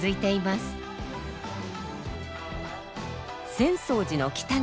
浅草寺の北側